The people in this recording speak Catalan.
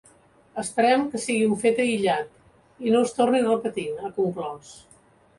“Esperem que sigui un fet aïllat i no es torni a repetir”, ha conclòs.